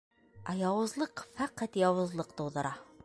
Ә яуызлыҡ фәҡәт яуызлыҡ тыуҙыра.